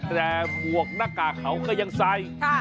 แต่หมวกหน้ากากเขาก็ยังใส่